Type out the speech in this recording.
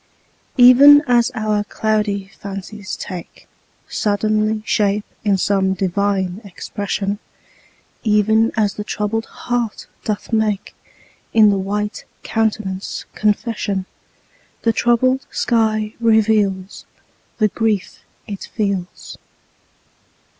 Even as our cloudy fancies take Suddenly shape in some divine expression, Even as the troubled heart doth make In the white countenance confession, The troubled sky reveals The grief it feels.